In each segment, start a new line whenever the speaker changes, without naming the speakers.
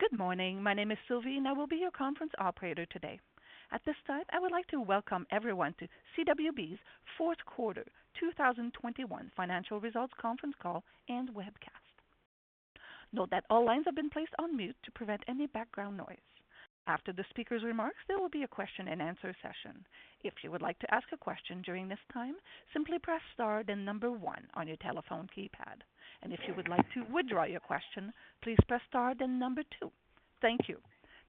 Good morning. My name is Sylvie, and I will be your conference operator today. At this time, I would like to welcome everyone to CWB's fourth quarter 2021 financial results conference call and webcast. Note that all lines have been placed on mute to prevent any background noise. After the speaker's remarks, there will be a question and answer session. If you would like to ask a question during this time, simply press Star, then one on your telephone keypad. If you would like to withdraw your question, please press Star then two. Thank you.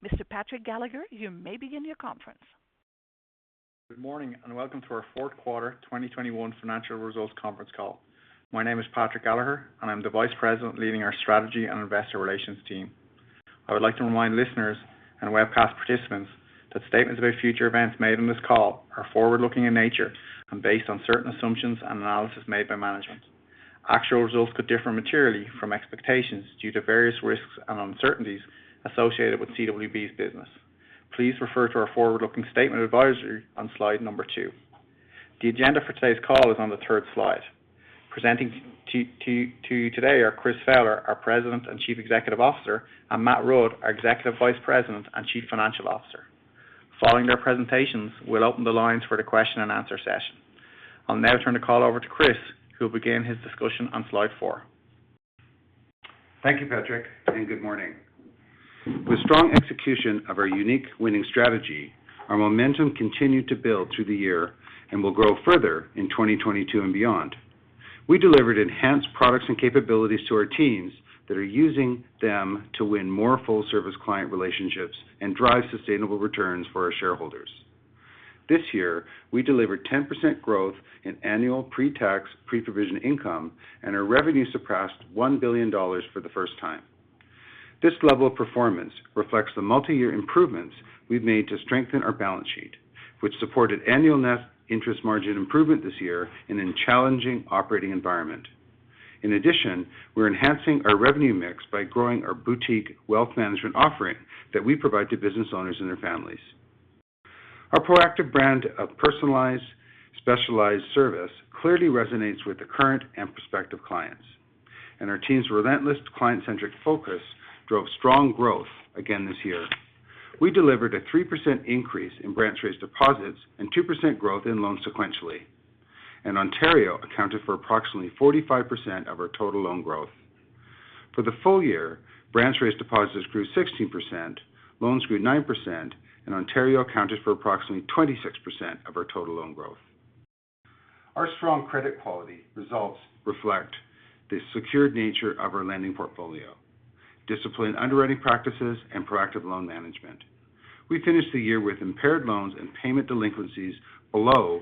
Mr. Patrick Gallagher, you may begin your conference.
Good morning, and welcome to our fourth quarter 2021 financial results conference call. My name is Patrick Gallagher, and I'm the Vice President leading our strategy and investor relations team. I would like to remind listeners and webcast participants that statements about future events made on this call are forward-looking in nature and based on certain assumptions and analysis made by management. Actual results could differ materially from expectations due to various risks and uncertainties associated with CWB's business. Please refer to our forward-looking statement advisory on slide two. The agenda for today's call is on the third slide. Presenting to you today are Chris Fowler, our President and Chief Executive Officer, and Matt Rudd, our Executive Vice President and Chief Financial Officer. Following their presentations, we'll open the lines for the question and answer session. I'll now turn the call over to Chris, who will begin his discussion on slide four.
Thank you, Patrick, and good morning. With strong execution of our unique winning strategy, our momentum continued to build through the year and will grow further in 2022 and beyond. We delivered enhanced products and capabilities to our teams that are using them to win more full service client relationships and drive sustainable returns for our shareholders. This year, we delivered 10% growth in annual pre-tax, pre-provision income, and our revenue surpassed 1 billion dollars for the first time. This level of performance reflects the multi-year improvements we've made to strengthen our balance sheet, which supported annual net interest margin improvement this year in a challenging operating environment. In addition, we're enhancing our revenue mix by growing our boutique wealth management offering that we provide to business owners and their families. Our proactive brand of personalized, specialized service clearly resonates with the current and prospective clients, and our team's relentless client-centric focus drove strong growth again this year. We delivered a 3% increase in branch-raised deposits and 2% growth in loans sequentially, and Ontario accounted for approximately 45% of our total loan growth. For the full year, branch-raised deposits grew 16%, loans grew 9%, and Ontario accounted for approximately 26% of our total loan growth. Our strong credit quality results reflect the secured nature of our lending portfolio, disciplined underwriting practices, and proactive loan management. We finished the year with impaired loans and payment delinquencies below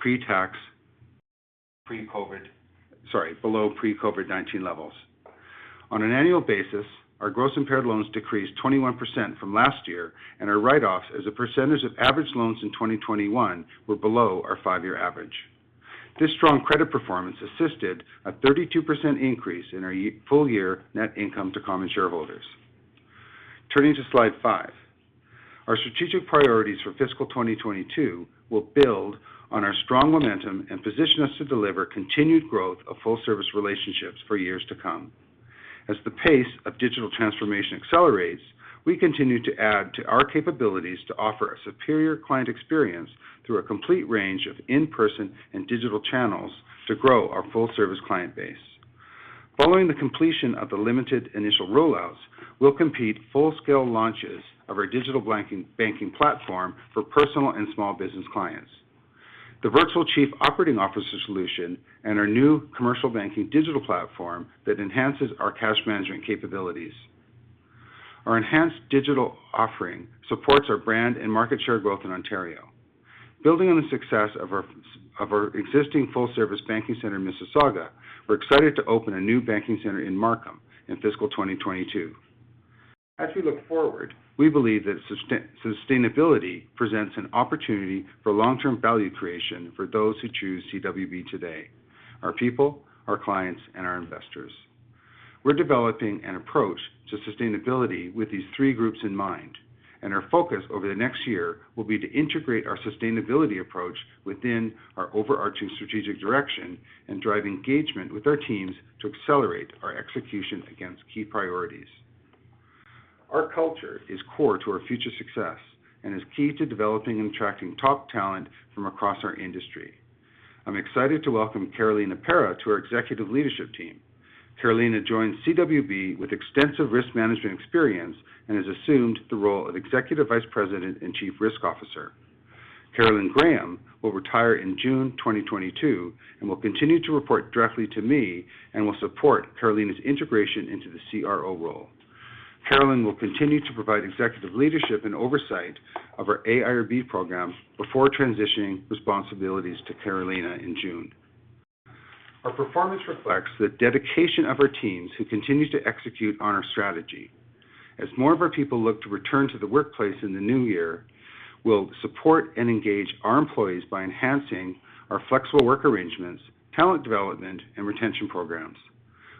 pre-COVID-19 levels. On an annual basis, our gross impaired loans decreased 21% from last year, and our write-offs as a percentage of average loans in 2021 were below our five-year average. This strong credit performance assisted a 32% increase in our full-year net income to common shareholders. Turning to slide five. Our strategic priorities for fiscal 2022 will build on our strong momentum and position us to deliver continued growth of full service relationships for years to come. As the pace of digital transformation accelerates, we continue to add to our capabilities to offer a superior client experience through a complete range of in-person and digital channels to grow our full service client base. Following the completion of the limited initial rollouts, we'll complete full-scale launches of our digital banking platform for personal and small business clients, the virtual chief operating officer solution, and our new commercial banking digital platform that enhances our cash management capabilities. Our enhanced digital offering supports our brand and market share growth in Ontario. Building on the success of our existing full-service banking center in Mississauga, we're excited to open a new banking center in Markham in fiscal 2022. As we look forward, we believe that sustainability presents an opportunity for long-term value creation for those who choose CWB today, our people, our clients, and our investors. We're developing an approach to sustainability with these three groups in mind, and our focus over the next year will be to integrate our sustainability approach within our overarching strategic direction and drive engagement with our teams to accelerate our execution against key priorities. Our culture is core to our future success and is key to developing and attracting top talent from across our industry. I'm excited to welcome Carolina Parra to our executive leadership team. Carolina joins CWB with extensive risk management experience and has assumed the role of Executive Vice President and Chief Risk Officer. Carolyn Graham will retire in June 2022 and will continue to report directly to me and will support Carolina's integration into the CRO role. Carolyn will continue to provide executive leadership and oversight of our AIRB program before transitioning responsibilities to Carolina in June. Our performance reflects the dedication of our teams who continue to execute on our strategy. As more of our people look to return to the workplace in the new year, we'll support and engage our employees by enhancing our flexible work arrangements, talent development, and retention programs.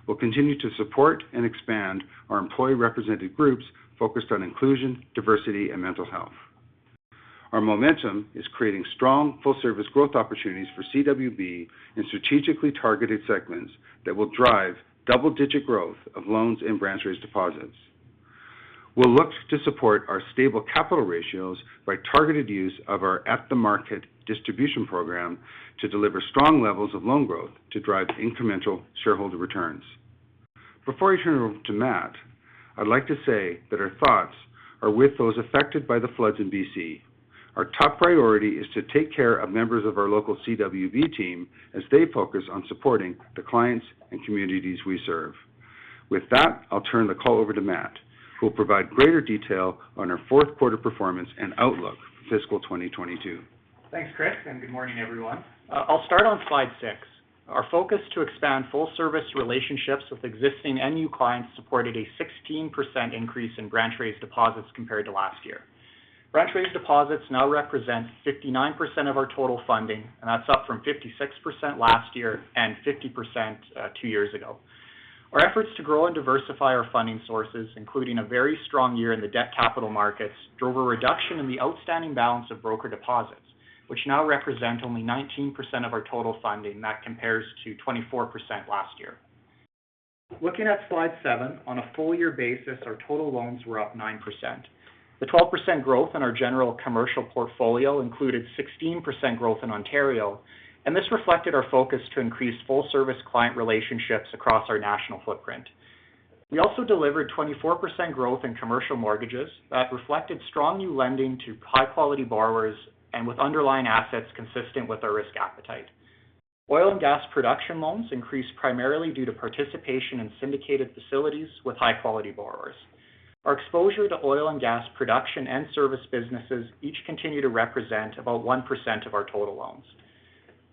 We'll continue to support and expand our employee representative groups focused on inclusion, diversity, and mental health. Our momentum is creating strong full service growth opportunities for CWB in strategically targeted segments that will drive double-digit growth of loans and branch raised deposits. We'll look to support our stable capital ratios by targeted use of our at the market distribution program to deliver strong levels of loan growth to drive incremental shareholder returns. Before I turn it over to Matt, I'd like to say that our thoughts are with those affected by the floods in BC. Our top priority is to take care of members of our local CWB team as they focus on supporting the clients and communities we serve. With that, I'll turn the call over to Matt, who will provide greater detail on our fourth quarter performance and outlook for fiscal 2022.
Thanks, Chris, and good morning, everyone. I'll start on slide six. Our focus to expand full service relationships with existing and new clients supported a 16% increase in branch raised deposits compared to last year. Branch raised deposits now represent 59% of our total funding, and that's up from 56% last year and 50%, two years ago. Our efforts to grow and diversify our funding sources, including a very strong year in the debt capital markets, drove a reduction in the outstanding balance of broker deposits, which now represent only 19% of our total funding. That compares to 24% last year. Looking at slide seven. On a full year basis, our total loans were up 9%. The 12% growth in our general commercial portfolio included 16% growth in Ontario, and this reflected our focus to increase full service client relationships across our national footprint. We also delivered 24% growth in commercial mortgages that reflected strong new lending to high-quality borrowers and with underlying assets consistent with our risk appetite. Oil and gas production loans increased primarily due to participation in syndicated facilities with high-quality borrowers. Our exposure to oil and gas production and service businesses each continue to represent about 1% of our total loans.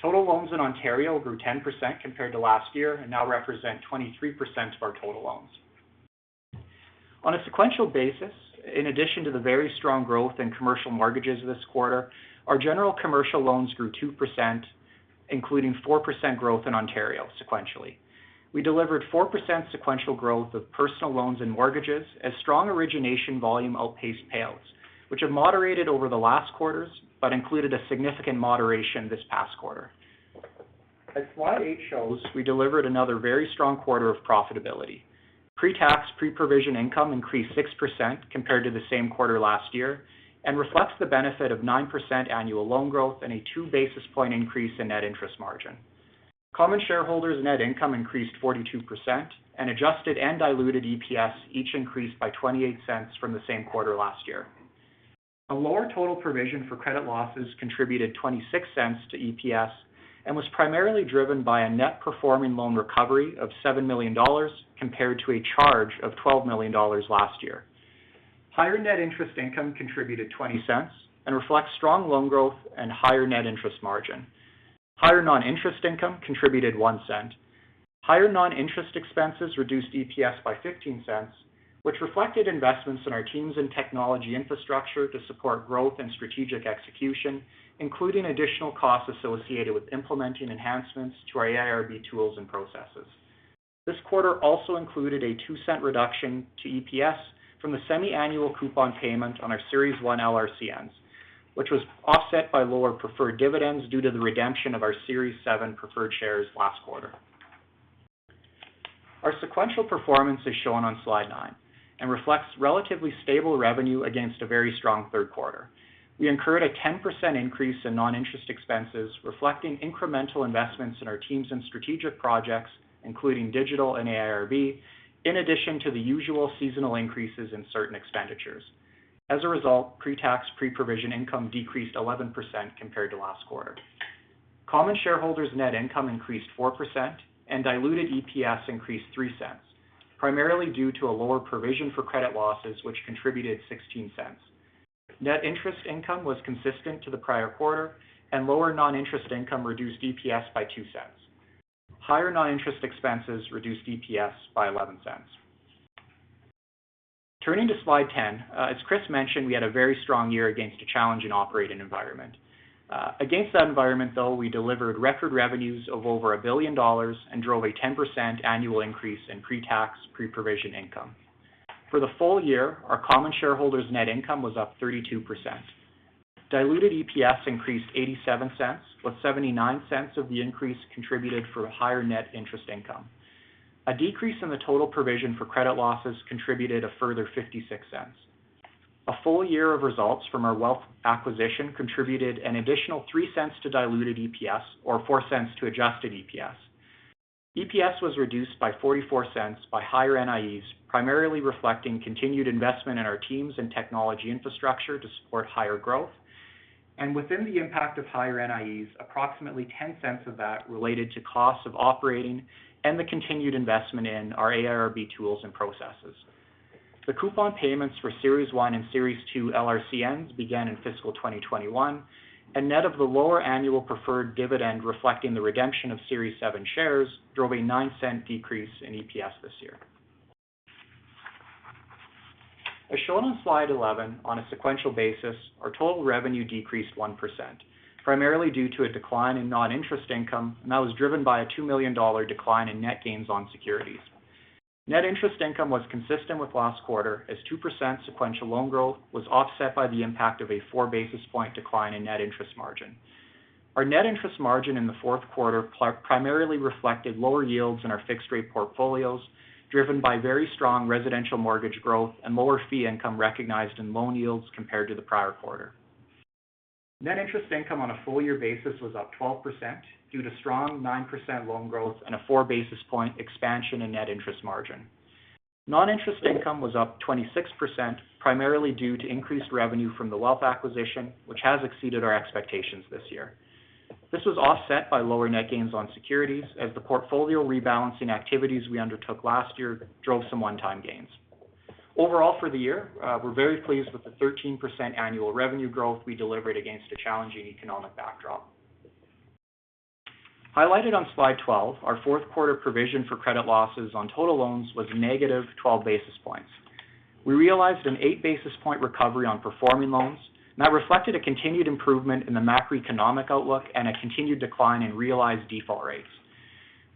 Total loans in Ontario grew 10% compared to last year and now represent 23% of our total loans. On a sequential basis, in addition to the very strong growth in commercial mortgages this quarter, our general commercial loans grew 2%, including 4% growth in Ontario sequentially. We delivered 4% sequential growth of personal loans and mortgages as strong origination volume outpaced paydowns, which have moderated over the last quarters, but included a significant moderation this past quarter. As slide eight shows, we delivered another very strong quarter of profitability. Pre-tax, pre-provision income increased 6% compared to the same quarter last year and reflects the benefit of 9% annual loan growth and a 2 basis points increase in net interest margin. Common shareholders' net income increased 42%, and adjusted and diluted EPS each increased by 0.28 from the same quarter last year. A lower total provision for credit losses contributed 0.26 to EPS and was primarily driven by a net performing loan recovery of 7 million dollars compared to a charge of 12 million dollars last year. Higher net interest income contributed 0.20 and reflects strong loan growth and higher net interest margin. Higher non-interest income contributed 0.01. Higher non-interest expenses reduced EPS by 0.15, which reflected investments in our teams and technology infrastructure to support growth and strategic execution, including additional costs associated with implementing enhancements to our AIRB tools and processes. This quarter also included a 0.02 reduction to EPS from the semiannual coupon payment on our Series 1 LRCNs, which was offset by lower preferred dividends due to the redemption of our Series 7 Preferred Shares last quarter. Our sequential performance is shown on slide nine and reflects relatively stable revenue against a very strong third quarter. We incurred a 10% increase in non-interest expenses, reflecting incremental investments in our teams and strategic projects, including digital and AIRB, in addition to the usual seasonal increases in certain expenditures. As a result, pre-tax, pre-provision income decreased 11% compared to last quarter. Common shareholders' net income increased 4% and diluted EPS increased 0.03, primarily due to a lower provision for credit losses, which contributed 0.16. Net interest income was consistent to the prior quarter and lower non-interest income reduced EPS by 0.02. Higher non-interest expenses reduced EPS by 0.11. Turning to slide 10. As Chris mentioned, we had a very strong year against a challenging operating environment. Against that environment, though, we delivered record revenues of over 1 billion dollars and drove a 10% annual increase in pre-tax, pre-provision income. For the full year, our common shareholders' net income was up 32%. Diluted EPS increased 0.87, with 0.79 of the increase contributed for a higher net interest income. A decrease in the total provision for credit losses contributed a further 0.56. A full year of results from our wealth acquisition contributed an additional 0.03 to diluted EPS or 0.04 to adjusted EPS. EPS was reduced by 0.44 by higher NIEs, primarily reflecting continued investment in our teams and technology infrastructure to support higher growth. Within the impact of higher NIEs, approximately 0.10 of that related to costs of operating and the continued investment in our AIRB tools and processes. The coupon payments for Series One and Series 2 LRCNs began in fiscal 2021, and net of the lower annual preferred dividend reflecting the redemption of Series Seven shares drove a 0.09 decrease in EPS this year. As shown on slide 11, on a sequential basis, our total revenue decreased 1%, primarily due to a decline in non-interest income, and that was driven by a 2 million dollar decline in net gains on securities. Net interest income was consistent with last quarter as 2% sequential loan growth was offset by the impact of a 4 basis point decline in net interest margin. Our net interest margin in the fourth quarter primarily reflected lower yields in our fixed rate portfolios, driven by very strong residential mortgage growth and lower fee income recognized in loan yields compared to the prior quarter. Net interest income on a full year basis was up 12% due to strong 9% loan growth and a 4 basis point expansion in net interest margin. Non-interest income was up 26%, primarily due to increased revenue from the wealth acquisition, which has exceeded our expectations this year. This was offset by lower net gains on securities as the portfolio rebalancing activities we undertook last year drove some one-time gains. Overall for the year, we're very pleased with the 13% annual revenue growth we delivered against a challenging economic backdrop. Highlighted on slide 12, our fourth quarter provision for credit losses on total loans was negative 12 basis points. We realized an 8 basis points recovery on performing loans, and that reflected a continued improvement in the macroeconomic outlook and a continued decline in realized default rates.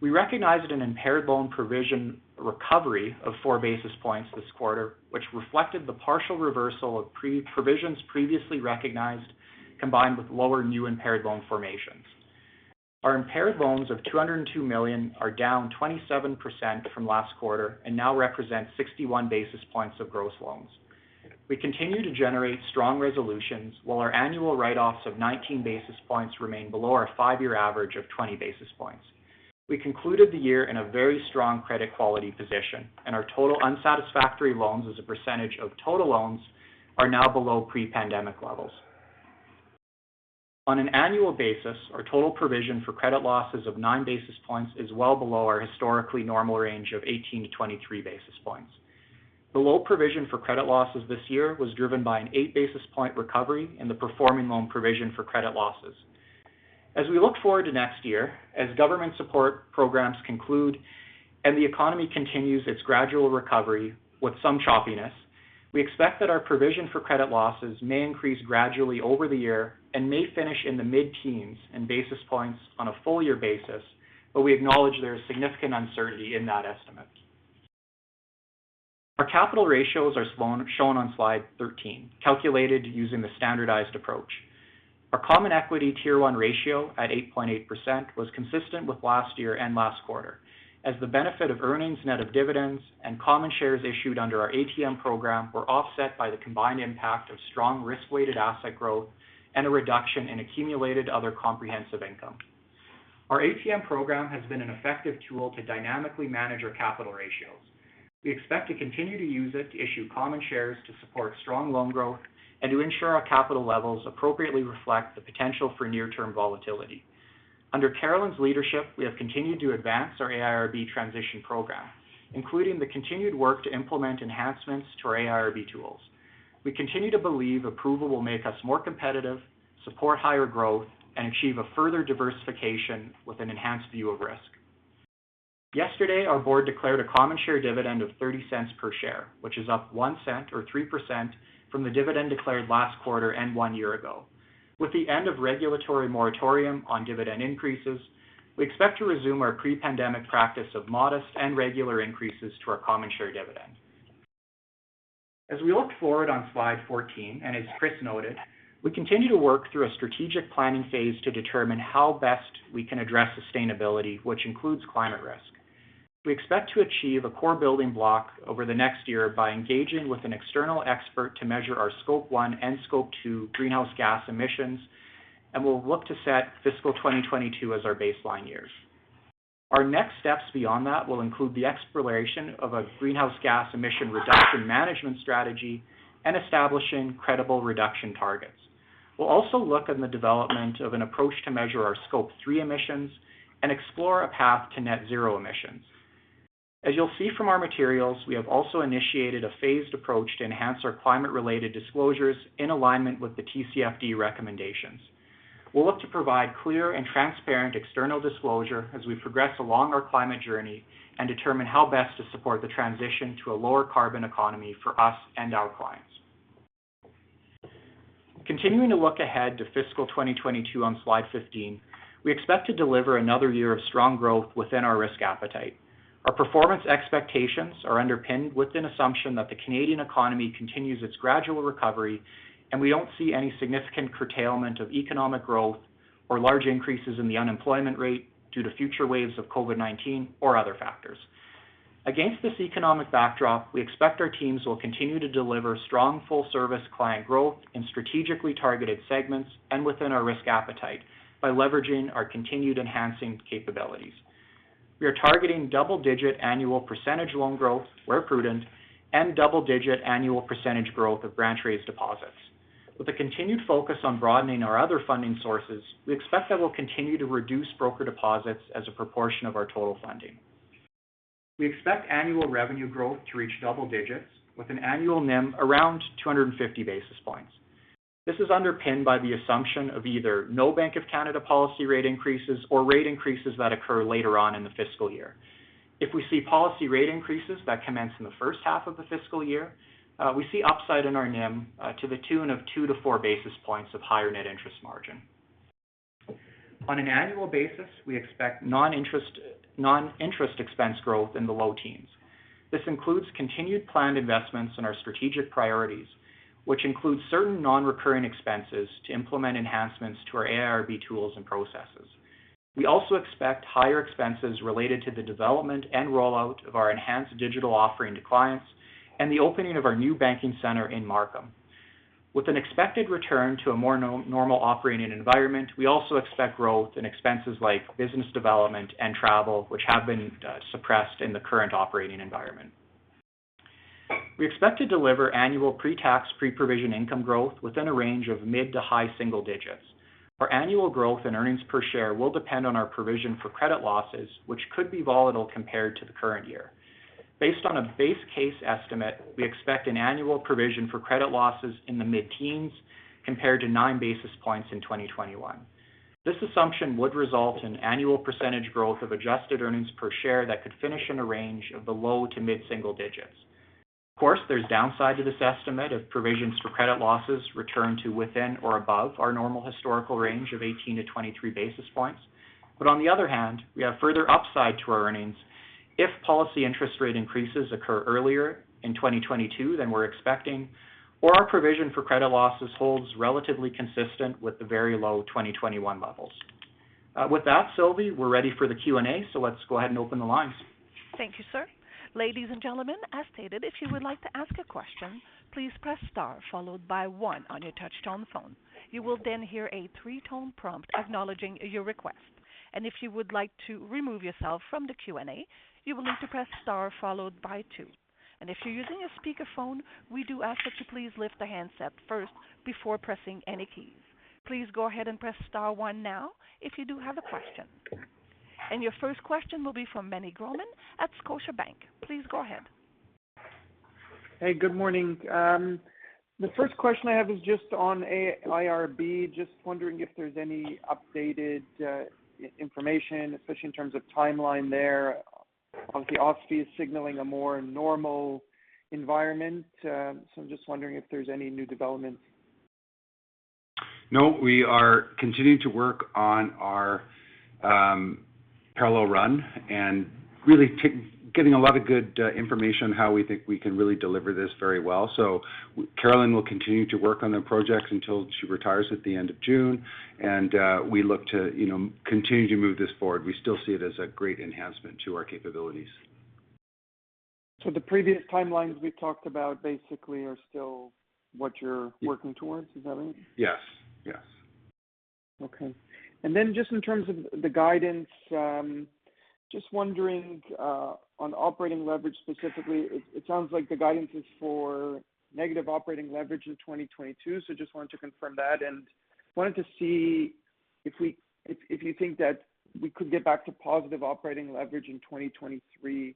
We recognized an impaired loan provision recovery of 4 basis points this quarter, which reflected the partial reversal of pre-provisions previously recognized, combined with lower new impaired loan formations. Our impaired loans of 202 million are down 27% from last quarter and now represent 61 basis points of gross loans. We continue to generate strong resolutions, while our annual write-offs of 19 basis points remain below our five-year average of 20 basis points. We concluded the year in a very strong credit quality position, and our total unsatisfactory loans as a percentage of total loans are now below pre-pandemic levels. On an annual basis, our total provision for credit losses of 9 basis points is well below our historically normal range of 18-23 basis points. The low provision for credit losses this year was driven by an 8 basis point recovery in the performing loan provision for credit losses. As we look forward to next year, as government support programs conclude and the economy continues its gradual recovery with some choppiness, we expect that our provision for credit losses may increase gradually over the year and may finish in the mid-teens basis points on a full year basis, but we acknowledge there is significant uncertainty in that estimate. Our capital ratios are shown on slide 13, calculated using the standardized approach. Our common equity tier one ratio at 8.8% was consistent with last year and last quarter, as the benefit of earnings net of dividends and common shares issued under our ATM program were offset by the combined impact of strong risk-weighted asset growth and a reduction in accumulated other comprehensive income. Our ATM program has been an effective tool to dynamically manage our capital ratios. We expect to continue to use it to issue common shares to support strong loan growth and to ensure our capital levels appropriately reflect the potential for near-term volatility. Under Carolyn's leadership, we have continued to advance our AIRB transition program, including the continued work to implement enhancements to our AIRB tools. We continue to believe approval will make us more competitive, support higher growth, and achieve a further diversification with an enhanced view of risk. Yesterday, our board declared a common share dividend of 0.30 per share, which is up 0.01 or 3% from the dividend declared last quarter and one year ago. With the end of regulatory moratorium on dividend increases, we expect to resume our pre-pandemic practice of modest and regular increases to our common share dividend. As we look forward on slide 14, as Chris noted, we continue to work through a strategic planning phase to determine how best we can address sustainability, which includes climate risk. We expect to achieve a core building block over the next year by engaging with an external expert to measure our Scope 1 and Scope 2 greenhouse gas emissions, and we'll look to set fiscal 2022 as our baseline years. Our next steps beyond that will include the exploration of a greenhouse gas emission reduction management strategy and establishing credible reduction targets. We'll also look into the development of an approach to measure our Scope 3 emissions and explore a path to net zero emissions. As you'll see from our materials, we have also initiated a phased approach to enhance our climate-related disclosures in alignment with the TCFD recommendations. We'll look to provide clear and transparent external disclosure as we progress along our climate journey and determine how best to support the transition to a lower carbon economy for us and our clients. Continuing to look ahead to fiscal 2022 on slide 15, we expect to deliver another year of strong growth within our risk appetite. Our performance expectations are underpinned with an assumption that the Canadian economy continues its gradual recovery, and we don't see any significant curtailment of economic growth or large increases in the unemployment rate due to future waves of COVID-19 or other factors. Against this economic backdrop, we expect our teams will continue to deliver strong full service client growth in strategically targeted segments and within our risk appetite by leveraging our continued enhancing capabilities. We are targeting double-digit annual percentage loan growth where prudent and double-digit annual percentage growth of branch raised deposits. With a continued focus on broadening our other funding sources, we expect that we'll continue to reduce broker deposits as a proportion of our total funding. We expect annual revenue growth to reach double digits with an annual NIM around 250 basis points. This is underpinned by the assumption of either no Bank of Canada policy rate increases or rate increases that occur later on in the fiscal year. If we see policy rate increases that commence in the first half of the fiscal year, we see upside in our NIM to the tune of 2-4 basis points of higher net interest margin. On an annual basis, we expect non-interest expense growth in the low teens. This includes continued planned investments in our strategic priorities, which includes certain non-recurring expenses to implement enhancements to our AIRB tools and processes. We also expect higher expenses related to the development and rollout of our enhanced digital offering to clients and the opening of our new banking center in Markham. With an expected return to a more normal operating environment, we also expect growth in expenses like business development and travel, which have been suppressed in the current operating environment. We expect to deliver annual pre-tax, pre-provision income growth within a range of mid- to high-single digits. Our annual growth in earnings per share will depend on our provision for credit losses, which could be volatile compared to the current year. Based on a base case estimate, we expect an annual provision for credit losses in the mid-teens, compared to nine basis points in 2021. This assumption would result in annual percentage growth of adjusted earnings per share that could finish in a range of the low to mid-single digits. Of course, there's downside to this estimate if provisions for credit losses return to within or above our normal historical range of 18-23 basis points. On the other hand, we have further upside to our earnings if policy interest rate increases occur earlier in 2022 than we're expecting, or our provision for credit losses holds relatively consistent with the very low 2021 levels. With that, Sylvie, we're ready for the Q&A, let's go ahead and open the lines.
Thank you, sir. Ladies and gentlemen, as stated, if you would like to ask a question, please press star followed by one on your touchtone phone. You will then hear a three-tone prompt acknowledging your request. If you would like to remove yourself from the Q&A, you will need to press star followed by two. If you're using a speakerphone, we do ask that you please lift the handset first before pressing any keys. Please go ahead and press star one now if you do have a question. Your first question will be from Meny Grauman at Scotiabank. Please go ahead.
Hey, good morning. The first question I have is just on AIRB. Just wondering if there's any updated information, especially in terms of timeline there. Obviously, OSFI is signaling a more normal environment, so I'm just wondering if there's any new developments.
No, we are continuing to work on our parallel run and really getting a lot of good information on how we think we can really deliver this very well. Carolyn will continue to work on the project until she retires at the end of June, and we look to, you know, continue to move this forward. We still see it as a great enhancement to our capabilities.
The previous timelines we talked about basically are still what you're working towards. Is that right?
Yes. Yes.
Okay. Just in terms of the guidance, just wondering, on operating leverage specifically, it sounds like the guidance is for negative operating leverage in 2022. Just wanted to confirm that and wanted to see if you think that we could get back to positive operating leverage in 2023.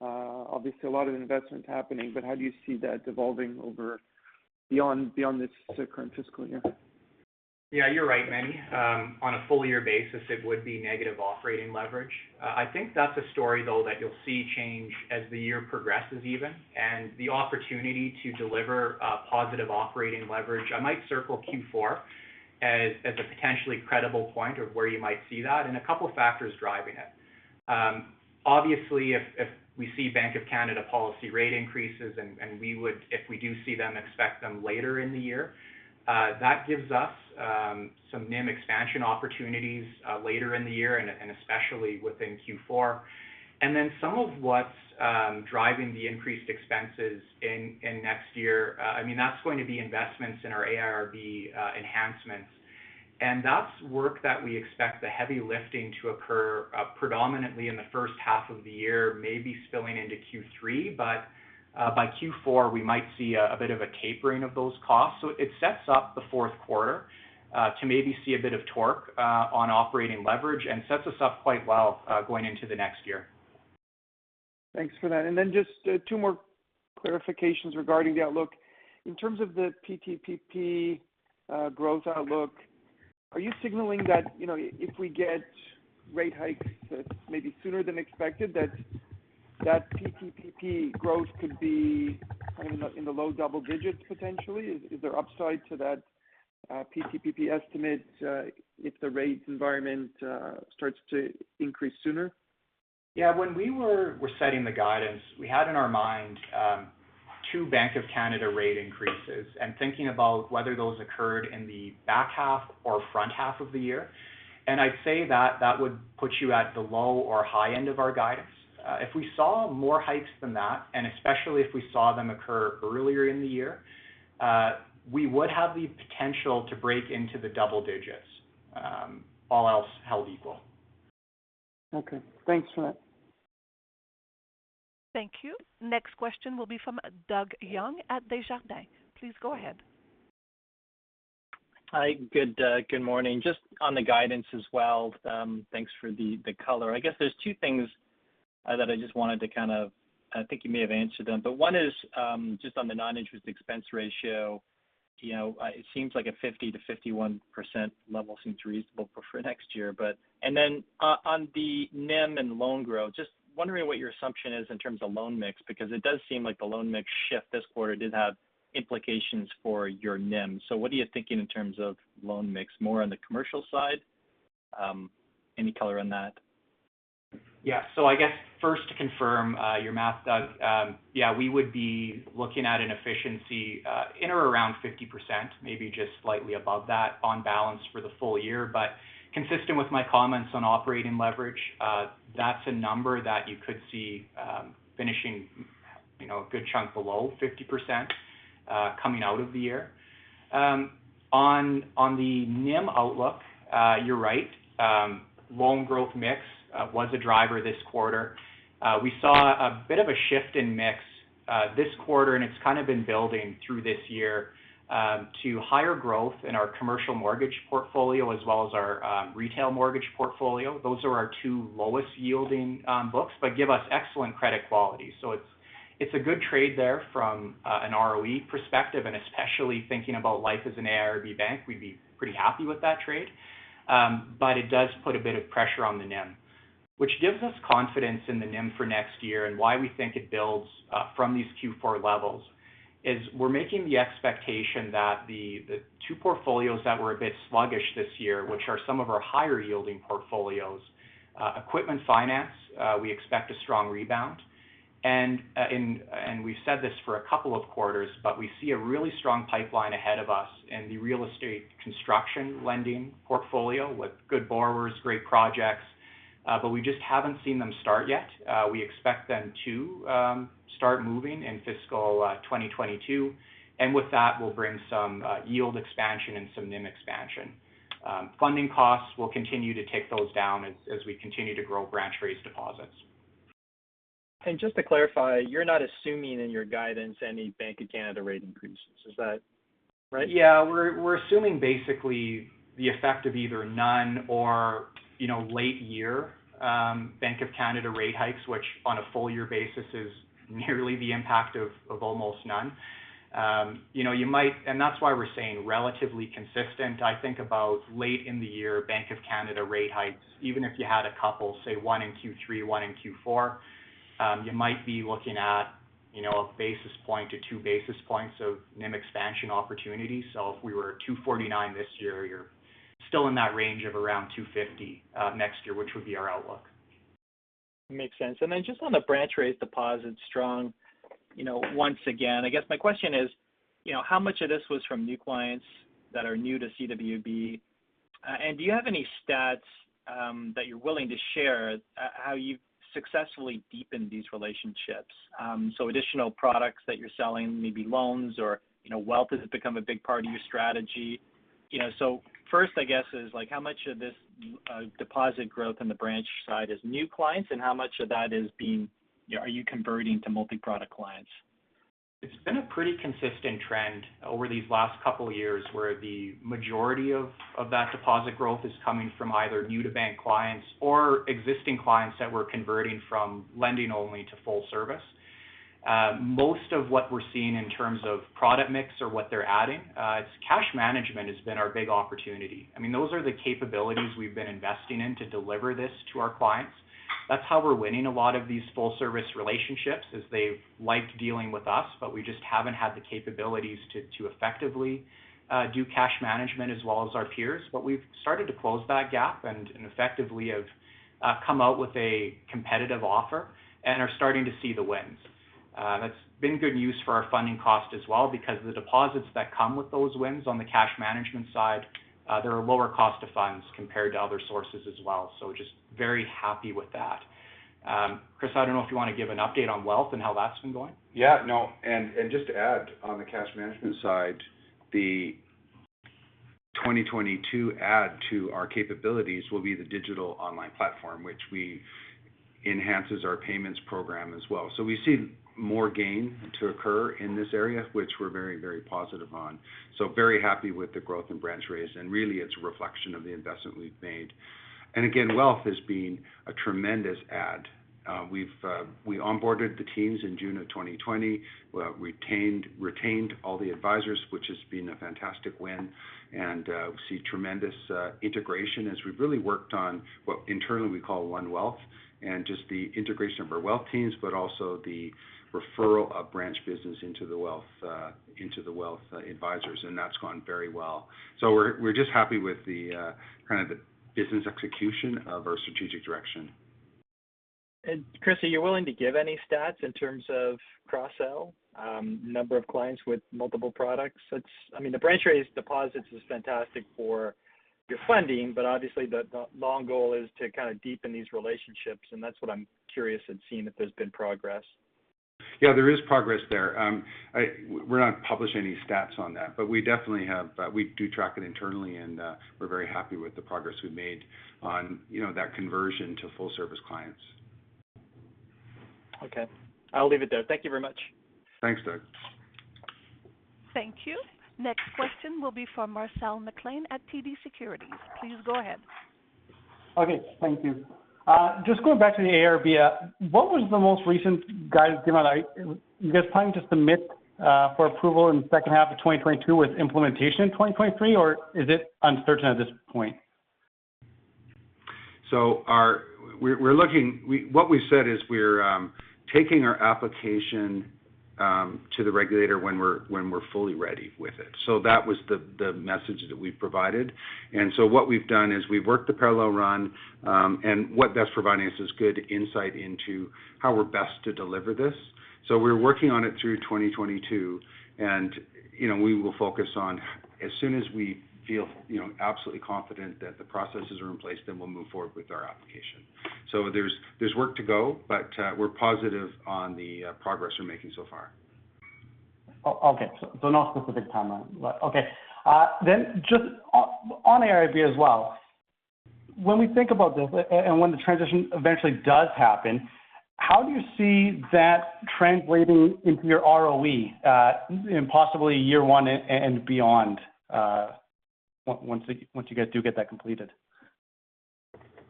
Obviously a lot of investments happening, but how do you see that evolving beyond this current fiscal year?
Yeah, you're right, Manny. On a full year basis, it would be negative operating leverage. I think that's a story though that you'll see change as the year progresses even, and the opportunity to deliver positive operating leverage. I might circle Q4 as a potentially credible point of where you might see that and a couple factors driving it. Obviously, if we see Bank of Canada policy rate increases and we would, if we do see them, expect them later in the year, that gives us some NIM expansion opportunities later in the year and especially within Q4. Some of what's driving the increased expenses in next year, I mean, that's going to be investments in our AIRB enhancements. That's work that we expect the heavy lifting to occur, predominantly in the first half of the year, maybe spilling into Q3. By Q4, we might see a bit of a tapering of those costs. It sets up the fourth quarter to maybe see a bit of torque on operating leverage and sets us up quite well going into the next year.
Thanks for that. Just two more clarifications regarding the outlook. In terms of the PTPP growth outlook, are you signaling that, you know, if we get rate hikes maybe sooner than expected that PTPP growth could be in the low double digits potentially? Is there upside to that PTPP estimate if the rate environment starts to increase sooner?
Yeah. When we were setting the guidance, we had in our mind two Bank of Canada rate increases and thinking about whether those occurred in the back half or front half of the year. I'd say that would put you at the low or high end of our guidance. If we saw more hikes than that, and especially if we saw them occur earlier in the year, we would have the potential to break into the double digits, all else held equal.
Okay. Thanks for that.
Thank you. Next question will be from Doug Young at Desjardins. Please go ahead.
Hi. Good morning. Just on the guidance as well, thanks for the color. I guess there's two things that I just wanted to kind of. I think you may have answered them, but one is, just on the non-interest expense ratio. You know, it seems like a 50%-51% level seems reasonable for next year, but. Then on the NIM and loan growth, just wondering what your assumption is in terms of loan mix, because it does seem like the loan mix shift this quarter did have implications for your NIM. What are you thinking in terms of loan mix, more on the commercial side? Any color on that?
Yeah. I guess first to confirm your math, Doug, yeah, we would be looking at an efficiency in or around 50%, maybe just slightly above that on balance for the full year. Consistent with my comments on operating leverage, that's a number that you could see finishing, you know, a good chunk below 50%, coming out of the year. On the NIM outlook, you're right. Loan growth mix was a driver this quarter. We saw a bit of a shift in mix this quarter, and it's kind of been building through this year to higher growth in our commercial mortgage portfolio as well as our retail mortgage portfolio. Those are our two lowest yielding books, but give us excellent credit quality. It's a good trade there from an ROE perspective, and especially thinking about life as an AIRB bank, we'd be pretty happy with that trade. It does put a bit of pressure on the NIM. Which gives us confidence in the NIM for next year and why we think it builds from these Q4 levels is we're making the expectation that the two portfolios that were a bit sluggish this year, which are some of our higher yielding portfolios. Equipment finance, we expect a strong rebound. We've said this for a couple of quarters, but we see a really strong pipeline ahead of us in the real estate construction lending portfolio with good borrowers, great projects, but we just haven't seen them start yet. We expect them to start moving in fiscal 2022. With that will bring some yield expansion and some NIM expansion. Funding costs will continue to take those down as we continue to grow branch-raised deposits.
Just to clarify, you're not assuming in your guidance any Bank of Canada rate increases. Is that right?
Yeah. We're assuming basically the effect of either none or, you know, late year Bank of Canada rate hikes, which on a full year basis is nearly the impact of almost none. That's why we're saying relatively consistent. I think about late in the year Bank of Canada rate hikes, even if you had a couple, say one in Q3, one in Q4, you might be looking at, you know, a basis point to 2 basis points of NIM expansion opportunity. If we were 2.49 this year, you're still in that range of around 2.50 next year, which would be our outlook.
Makes sense. Just on the branch-based deposit growth, you know, once again, I guess my question is, you know, how much of this was from new clients that are new to CWB? Do you have any stats that you're willing to share how you've successfully deepened these relationships? Additional products that you're selling, maybe loans or, you know, wealth, has it become a big part of your strategy? You know, first, I guess is like how much of this deposit growth in the branch side is new clients, and how much of that is being, you know, are you converting to multi-product clients?
It's been a pretty consistent trend over these last couple years, where the majority of that deposit growth is coming from either new to bank clients or existing clients that we're converting from lending only to full service. Most of what we're seeing in terms of product mix or what they're adding, it's cash management has been our big opportunity. I mean, those are the capabilities we've been investing in to deliver this to our clients. That's how we're winning a lot of these full service relationships, is they've liked dealing with us, but we just haven't had the capabilities to effectively do cash management as well as our peers. But we've started to close that gap and effectively have come out with a competitive offer and are starting to see the wins. That's been good news for our funding cost as well because the deposits that come with those wins on the cash management side, they're a lower cost of funds compared to other sources as well. Just very happy with that. Chris, I don't know if you want to give an update on wealth and how that's been going.
Yeah, no. Just to add on the cash management side, the 2022 add to our capabilities will be the digital online platform, which will enhance our payments program as well. We see more gain to occur in this area, which we're very, very positive on. Very happy with the growth in branch raise, and really it's a reflection of the investment we've made. Again, wealth has been a tremendous add. We've onboarded the teams in June of 2020. We retained all the advisors, which has been a fantastic win, and we see tremendous integration as we've really worked on what internally we call One Wealth and just the integration of our wealth teams, but also the referral of branch business into the wealth advisors, and that's gone very well. We're just happy with the kind of business execution of our strategic direction.
Chris, are you willing to give any stats in terms of cross-sell, number of clients with multiple products? That's, I mean, the branch raise deposits is fantastic for your funding, but obviously the long goal is to kind of deepen these relationships, and that's what I'm curious and seeing if there's been progress.
Yeah, there is progress there. We're not publishing any stats on that, but we do track it internally, and we're very happy with the progress we've made on, you know, that conversion to full service clients.
Okay. I'll leave it there. Thank you very much.
Thanks, Doug.
Thank you. Next question will be from Marcel McLean at TD Securities. Please go ahead.
Okay. Thank you. Just going back to the AIRB, what was the most recent guidance given? Are you guys planning to submit for approval in the second half of 2022, with implementation in 2023, or is it uncertain at this point?
What we said is we're taking our application
To the regulator when we're fully ready with it. That was the message that we provided. What we've done is we've worked the parallel run, and what that's providing us is good insight into how we're best to deliver this. We're working on it through 2022. You know, we will focus on as soon as we feel you know, absolutely confident that the processes are in place, then we'll move forward with our application. There's work to go, but we're positive on the progress we're making so far.
Oh, okay. No specific timeline. Right. Okay. Just on AIRB as well. When we think about this and when the transition eventually does happen, how do you see that translating into your ROE in possibly year one and beyond once you guys do get that completed?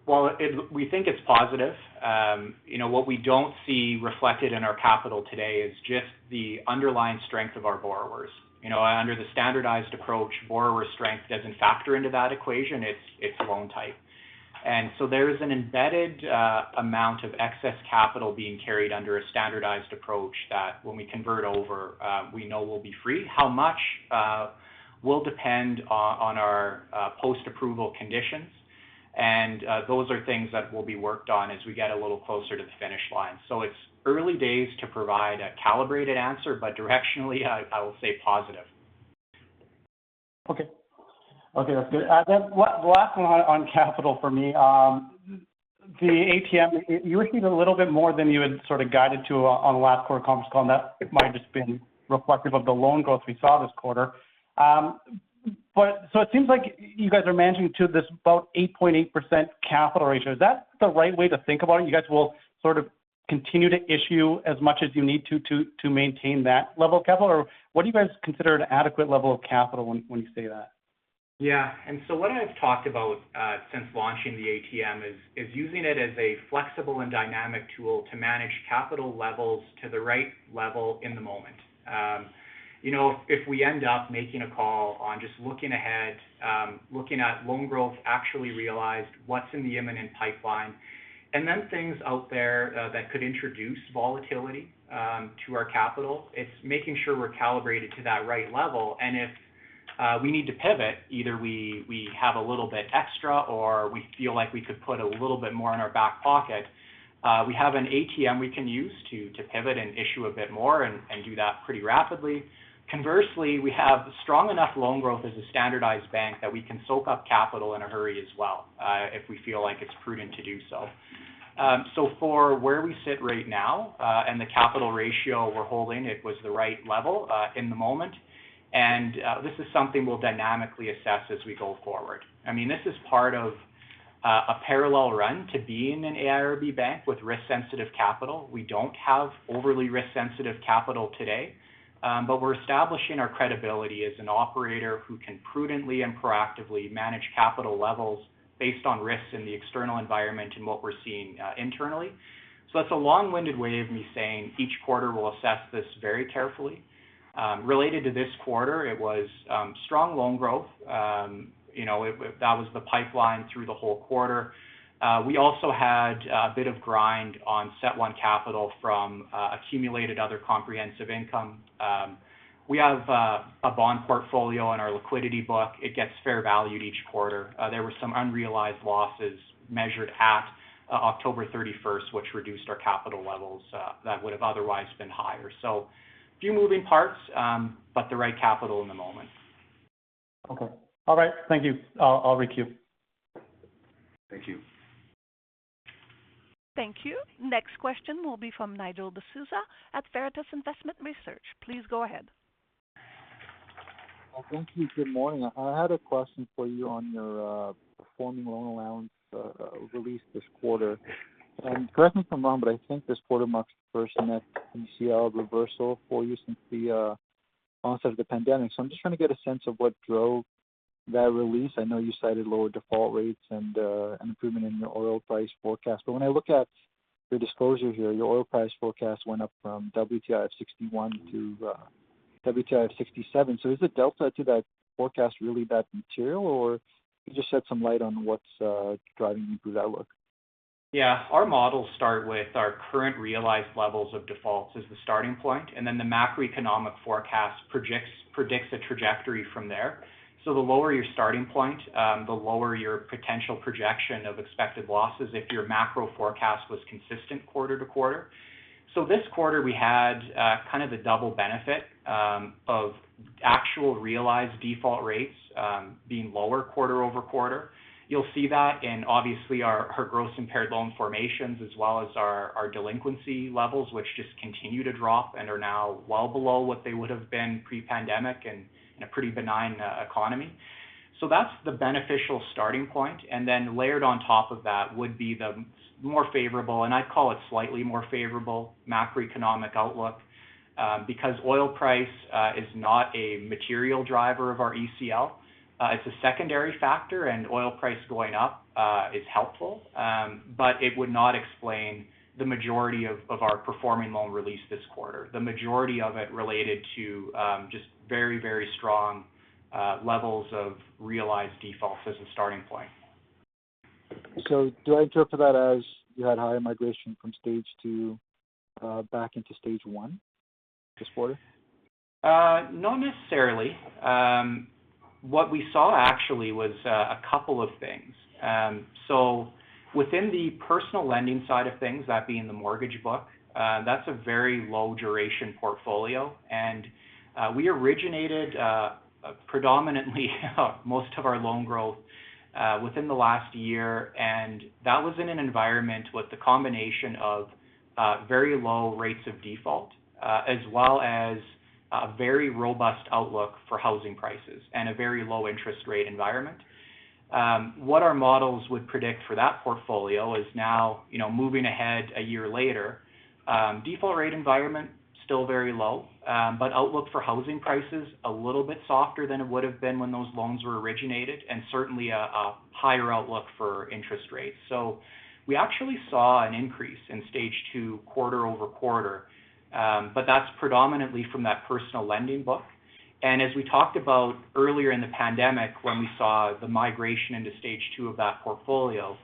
Well, we think it's positive. You know, what we don't see reflected in our capital today is just the underlying strength of our borrowers. You know, under the standardized approach, borrower strength doesn't factor into that equation. It's loan type. There is an embedded amount of excess capital being carried under a standardized approach that when we convert over, we know will be free. How much will depend on our post-approval conditions. Those are things that will be worked on as we get a little closer to the finish line. It's early days to provide a calibrated answer, but directionally, I will say positive.
Okay. Okay, that's good. One last one on capital for me. The ATM, you received a little bit more than you had sort of guided to on the last quarter conference call, and that might just been reflective of the loan growth we saw this quarter. It seems like you guys are managing to this about 8.8% capital ratio. Is that the right way to think about it? You guys will sort of continue to issue as much as you need to to maintain that level of capital? Or what do you guys consider an adequate level of capital when you say that?
Yeah. What I've talked about since launching the ATM is using it as a flexible and dynamic tool to manage capital levels to the right level in the moment. You know, if we end up making a call on just looking ahead, looking at loan growth actually realized what's in the imminent pipeline, and then things out there that could introduce volatility to our capital, it's making sure we're calibrated to that right level. If we need to pivot, either we have a little bit extra or we feel like we could put a little bit more in our back pocket, we have an ATM we can use to pivot and issue a bit more and do that pretty rapidly. Conversely, we have strong enough loan growth as a standardized bank that we can soak up capital in a hurry as well, if we feel like it's prudent to do so. For where we sit right now, and the capital ratio we're holding, it was the right level, in the moment. This is something we'll dynamically assess as we go forward. I mean, this is part of, a parallel run to being an AIRB bank with risk-sensitive capital. We don't have overly risk-sensitive capital today, but we're establishing our credibility as an operator who can prudently and proactively manage capital levels based on risks in the external environment and what we're seeing, internally. That's a long-winded way of me saying each quarter we'll assess this very carefully. Related to this quarter, it was strong loan growth. You know, that was the pipeline through the whole quarter. We also had a bit of grind on CET1 capital from accumulated other comprehensive income. We have a bond portfolio in our liquidity book. It gets fair valued each quarter. There were some unrealized losses measured at October thirty-first, which reduced our capital levels that would have otherwise been higher. A few moving parts, but the right capital in the moment.
Okay. All right. Thank you. I'll requeue.
Thank you.
Thank you. Next question will be from Nigel D'Souza at Veritas Investment Research. Please go ahead.
Well, thank you. Good morning. I had a question for you on your performing loan allowance release this quarter. Correct me if I'm wrong, but I think this quarter marks the first net ECL reversal for you since the onset of the pandemic. I'm just trying to get a sense of what drove that release. I know you cited lower default rates and an improvement in your oil price forecast. When I look at your disclosure here, your oil price forecast went up from WTI of $61 to WTI of $67. Is the delta to that forecast really that material, or could you just shed some light on what's driving the improved outlook?
Yeah. Our models start with our current realized levels of defaults as the starting point, and then the macroeconomic forecast predicts a trajectory from there. So the lower your starting point, the lower your potential projection of expected losses if your macro forecast was consistent quarter to quarter. So this quarter, we had kind of the double benefit of actual realized default rates being lower quarter over quarter. You'll see that in obviously our gross impaired loan formations as well as our delinquency levels, which just continue to drop and are now well below what they would've been pre-pandemic and in a pretty benign economy. So that's the beneficial starting point. Layered on top of that would be the more favorable, and I'd call it slightly more favorable macroeconomic outlook, because oil price is not a material driver of our ECL. It's a secondary factor, and oil price going up is helpful, but it would not explain the majority of our performing loan release this quarter. The majority of it related to just very, very strong levels of realized defaults as a starting point.
Do I interpret that as you had higher migration from stage two, back into stage one this quarter?
Not necessarily. What we saw actually was a couple of things. Within the personal lending side of things, that being the mortgage book, that's a very low duration portfolio. We originated predominantly most of our loan growth within the last year, and that was in an environment with the combination of very low rates of default as well as a very robust outlook for housing prices and a very low interest rate environment. What our models would predict for that portfolio is now, you know, moving ahead a year later, default rate environment still very low, but outlook for housing prices a little bit softer than it would have been when those loans were originated, and certainly a higher outlook for interest rates. We actually saw an increase in stage two quarter-over-quarter. That's predominantly from that personal lending book. As we talked about earlier in the pandemic when we saw the migration into stage two of that portfolio,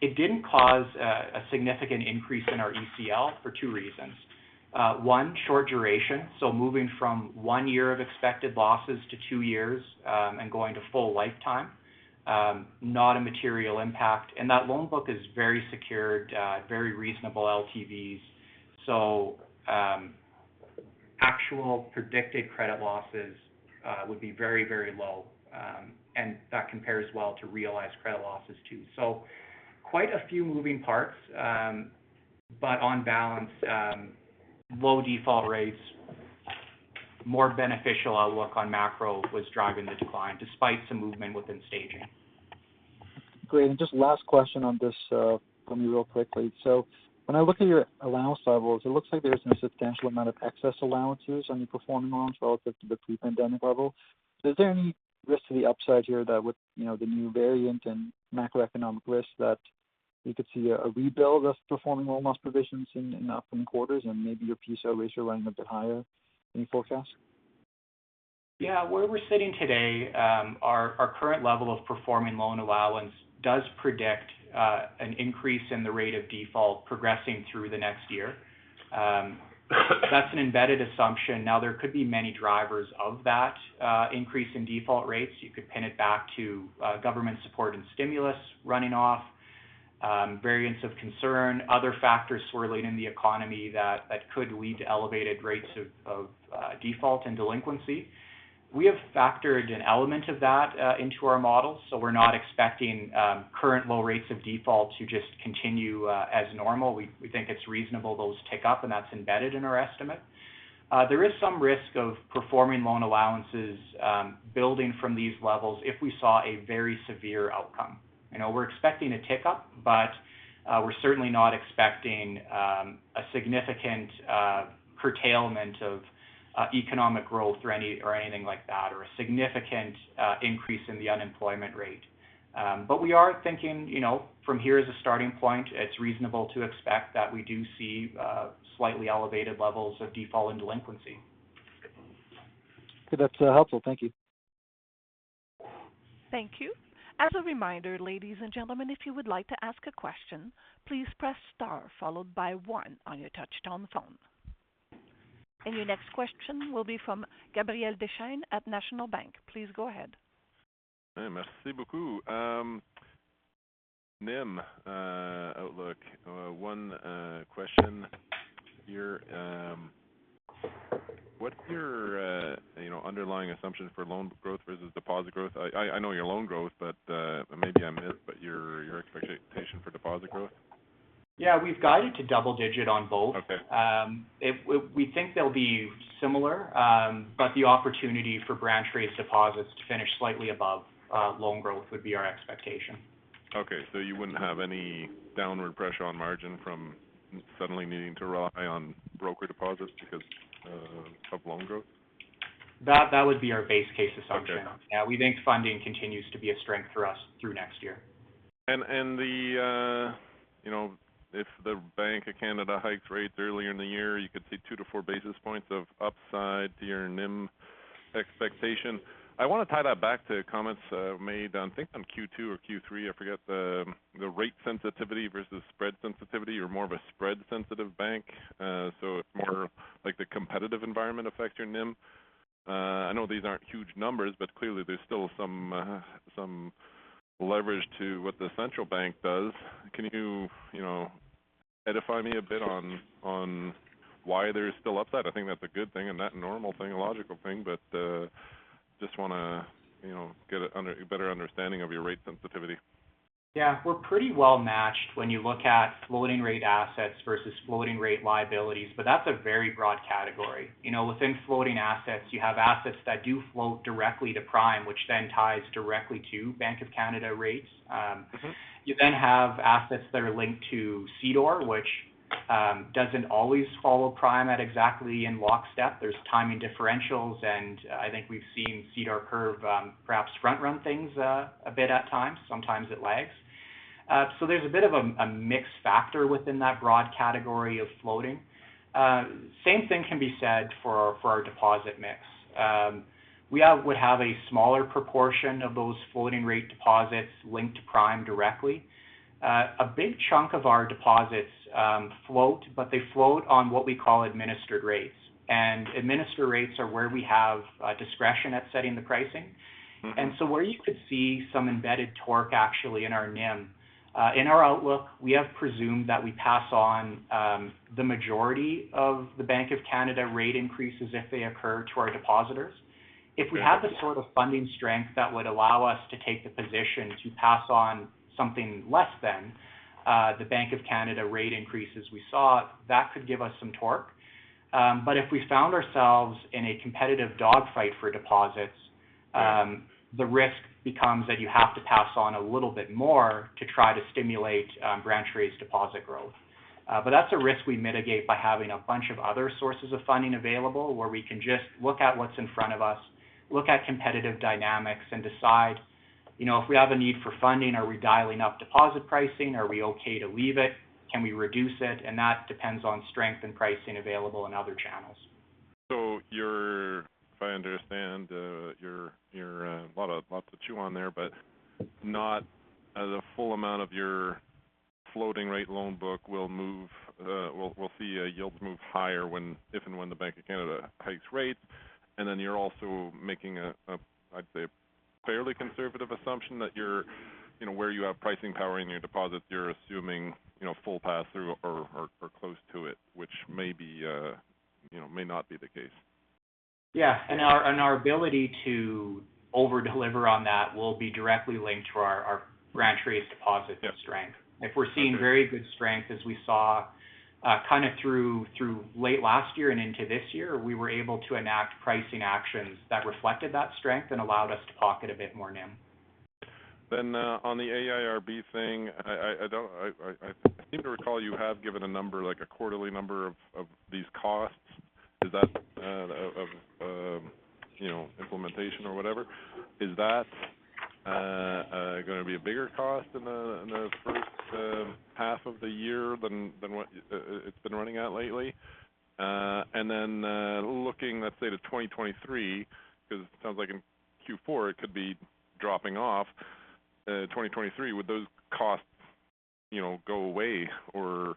it didn't cause a significant increase in our ECL for two reasons. One, short duration, so moving from one year of expected losses to two years, and going to full lifetime, not a material impact. That loan book is very secured at very reasonable LTVs. Actual predicted credit losses would be very, very low. That compares well to realized credit losses too. Quite a few moving parts. On balance, low default rates, more beneficial outlook on macro was driving the decline despite some movement within staging.
Great. Just last question on this, for me real quickly. When I look at your allowance levels, it looks like there's no substantial amount of excess allowances on your performing loans relative to the pre-pandemic level. Is there any risk to the upside here that with, you know, the new variant and macroeconomic risk that you could see a rebuild of performing loan loss provisions in upcoming quarters and maybe your PSO ratio running a bit higher than you forecast?
Yeah. Where we're sitting today, our current level of performing loan allowance does predict an increase in the rate of default progressing through the next year. That's an embedded assumption. Now, there could be many drivers of that increase in default rates. You could pin it back to government support and stimulus running off, variants of concern, other factors swirling in the economy that could lead to elevated rates of default and delinquency. We have factored an element of that into our models, so we're not expecting current low rates of default to just continue as normal. We think it's reasonable those tick up, and that's embedded in our estimate. There is some risk of performing loan allowances building from these levels if we saw a very severe outcome. You know, we're expecting a tick up, but we're certainly not expecting a significant curtailment of economic growth or anything like that, or a significant increase in the unemployment rate. We are thinking, you know, from here as a starting point, it's reasonable to expect that we do see slightly elevated levels of default and delinquency.
Okay. That's helpful. Thank you.
Thank you. As a reminder, ladies and gentlemen, if you would like to ask a question, please press star followed by one on your touchtone phone. Your next question will be from Gabriel Dechaine at National Bank. Please go ahead.
Merci beaucoup. NIM outlook, one question here. What's your, you know, underlying assumption for loan growth versus deposit growth? I know your loan growth, but maybe I missed, but your expectation for deposit growth.
Yeah. We've guided to double-digit on both.
Okay.
We think they'll be similar, but the opportunity for branch raised deposits to finish slightly above loan growth would be our expectation.
Okay. You wouldn't have any downward pressure on margin from suddenly needing to rely on broker deposits because of loan growth?
That would be our base case assumption.
Okay.
Yeah. We think funding continues to be a strength for us through next year.
If the Bank of Canada hikes rates earlier in the year, you could see 2-4 basis points of upside to your NIM expectation. I want to tie that back to comments made on, I think on Q2 or Q3, I forget, the rate sensitivity versus spread sensitivity. You're more of a spread sensitive bank. So more like the competitive environment affects your NIM. I know these aren't huge numbers, but clearly there's still some leverage to what the central bank does. Can you know, edify me a bit on why there's still upside? I think that's a good thing and that normal thing, a logical thing, but just wanna, you know, get a better understanding of your rate sensitivity.
Yeah. We're pretty well matched when you look at floating rate assets versus floating rate liabilities, but that's a very broad category. You know, within floating assets, you have assets that do float directly to prime, which then ties directly to Bank of Canada rates.
Mm-hmm.
You then have assets that are linked to CDOR, which doesn't always follow prime exactly in lockstep. There's timing differentials, and I think we've seen CDOR curve perhaps front run things a bit at times. Sometimes it lags. There's a bit of a mix factor within that broad category of floating. Same thing can be said for our deposit mix. We have a smaller proportion of those floating rate deposits linked to prime directly. A big chunk of our deposits float, but they float on what we call administered rates. Administered rates are where we have discretion at setting the pricing.
Mm-hmm.
Where you could see some embedded torque actually in our NIM, in our outlook, we have presumed that we pass on the majority of the Bank of Canada rate increases if they occur to our depositors. If we have the sort of funding strength that would allow us to take the position to pass on something less than the Bank of Canada rate increases we saw, that could give us some torque. If we found ourselves in a competitive dogfight for deposits, the risk becomes that you have to pass on a little bit more to try to stimulate branch raised deposit growth. that's a risk we mitigate by having a bunch of other sources of funding available where we can just look at what's in front of us, look at competitive dynamics and decide, you know, if we have a need for funding, are we dialing up deposit pricing? Are we okay to leave it? Can we reduce it? And that depends on strength and pricing available in other channels.
If I understand, there's a lot to chew on there, but not all of your floating rate loan book will see a yield move higher if and when the Bank of Canada hikes rates. You're also making, I'd say, a fairly conservative assumption that, you know, where you have pricing power in your deposits, you're assuming, you know, full pass-through or close to it, which may, you know, not be the case.
Yeah. Our ability to over-deliver on that will be directly linked to our branch raised deposit strength.
Okay.
If we're seeing very good strength as we saw kind of through late last year and into this year, we were able to enact pricing actions that reflected that strength and allowed us to pocket a bit more NIM.
On the AIRB thing, I seem to recall you have given a number, like a quarterly number of these costs. Is that of you know implementation or whatever? Is that gonna be a bigger cost in the first half of the year than what it's been running at lately? Looking, let's say to 2023, 'cause it sounds like in Q4 it could be dropping off, 2023, would those costs you know go away or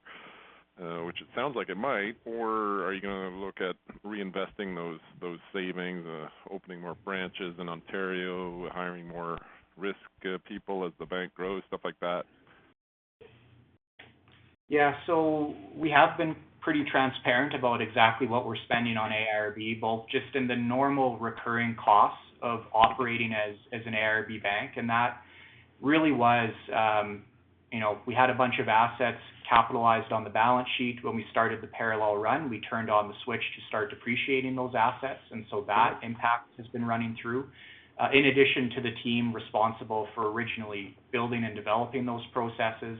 which it sounds like it might, or are you gonna look at reinvesting those savings, opening more branches in Ontario, hiring more risk people as the bank grows, stuff like that?
Yeah. We have been pretty transparent about exactly what we're spending on AIRB, both just in the normal recurring costs of operating as an AIRB bank. That really was we had a bunch of assets capitalized on the balance sheet when we started the parallel run. We turned on the switch to start depreciating those assets, and that impact has been running through. In addition to the team responsible for originally building and developing those processes,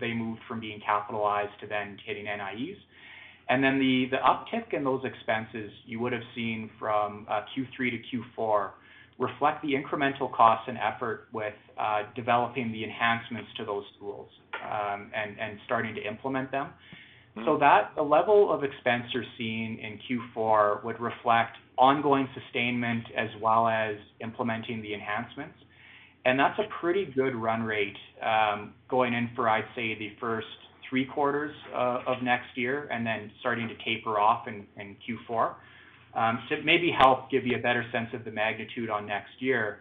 they moved from being capitalized to then hitting NIEs. Then the uptick in those expenses you would've seen from Q3 to Q4 reflect the incremental costs and effort with developing the enhancements to those tools, and starting to implement them.
Mm-hmm.
That the level of expense you're seeing in Q4 would reflect ongoing sustainment as well as implementing the enhancements. That's a pretty good run rate going in for, I'd say, the first three quarters of next year and then starting to taper off in Q4. It may help give you a better sense of the magnitude on next year.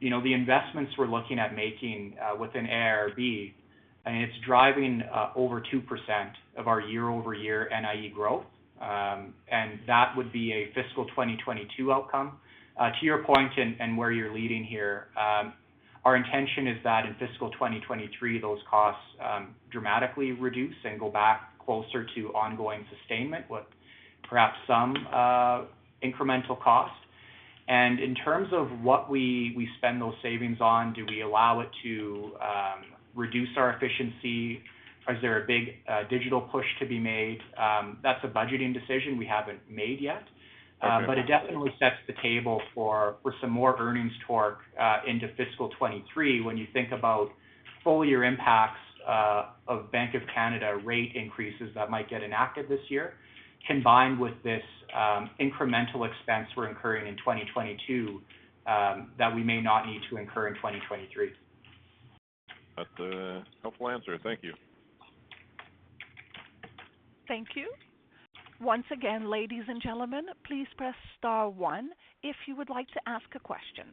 You know, the investments we're looking at making within AIRB, and it's driving over 2% of our year-over-year NIE growth. That would be a fiscal 2022 outcome. To your point and where you're leading here, our intention is that in fiscal 2023, those costs dramatically reduce and go back closer to ongoing sustainment with perhaps some incremental cost. In terms of what we spend those savings on, do we allow it to reduce our efficiency? Is there a big digital push to be made? That's a budgeting decision we haven't made yet.
Okay.
It definitely sets the table for some more earnings torque into fiscal 2023 when you think about full year impacts of Bank of Canada rate increases that might get enacted this year, combined with this incremental expense we're incurring in 2022 that we may not need to incur in 2023.
That's a helpful answer. Thank you.
Thank you. Once again, ladies and gentlemen, please press star one if you would like to ask a question.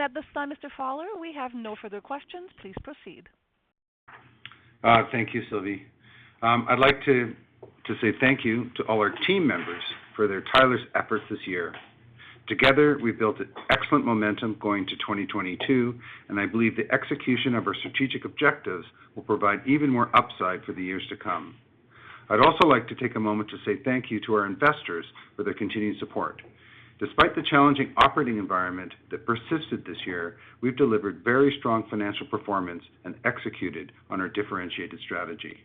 At this time, Mr. Fowler, we have no further questions. Please proceed.
Thank you, Sylvie. I'd like to say thank you to all our team members for their tireless efforts this year. Together, we've built an excellent momentum going to 2022, and I believe the execution of our strategic objectives will provide even more upside for the years to come. I'd also like to take a moment to say thank you to our investors for their continued support. Despite the challenging operating environment that persisted this year, we've delivered very strong financial performance and executed on our differentiated strategy.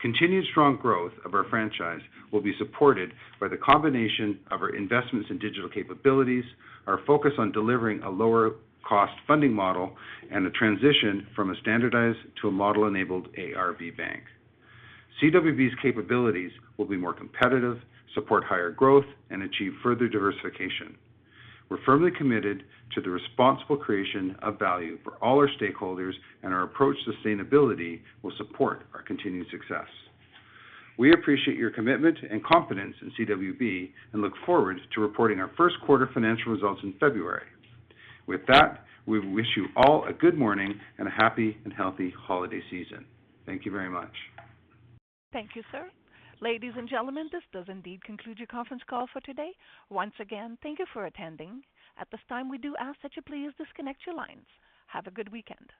Continued strong growth of our franchise will be supported by the combination of our investments in digital capabilities, our focus on delivering a lower cost funding model, and the transition from a standardized to a model-enabled AIRB bank. CWB's capabilities will be more competitive, support higher growth, and achieve further diversification. We're firmly committed to the responsible creation of value for all our stakeholders, and our approach to sustainability will support our continued success. We appreciate your commitment and confidence in CWB and look forward to reporting our first quarter financial results in February. With that, we wish you all a good morning and a happy and healthy holiday season. Thank you very much.
Thank you, sir. Ladies and gentlemen, this does indeed conclude your conference call for today. Once again, thank you for attending. At this time, we do ask that you please disconnect your lines. Have a good weekend.